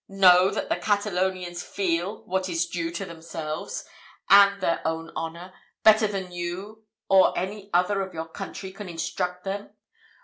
Know, that the Catalonians feel what is due to themselves, and their own honour, better than you or any other of your country can instruct them.